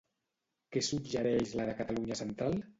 Què suggereix la de Catalunya Central?